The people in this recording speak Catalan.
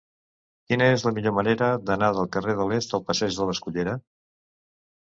Quina és la millor manera d'anar del carrer de l'Est a la passeig de l'Escullera?